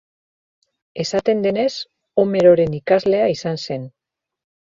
Esaten denez, Homeroren ikaslea izan zen.